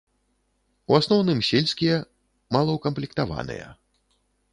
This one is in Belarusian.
У асноўным сельскія, малаўкамплектаваныя.